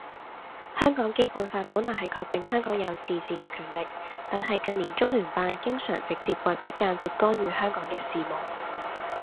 香港基本法本來係確定香港有自治嘅權力，但係近年中聯辦經常直接或者間接干預香港嘅事務。